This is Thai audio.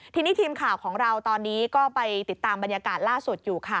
ทีนี้ทีมข่าวของเราตอนนี้ก็ไปติดตามบรรยากาศล่าสุดอยู่ค่ะ